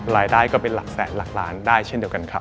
รายได้ก็เป็นหลักแสนหลักล้านได้เช่นเดียวกันครับ